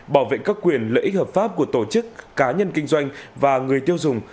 bảo vệ các quyền lợi ích hợp pháp của tổ chức cá nhân kinh doanh và người tiêu dùng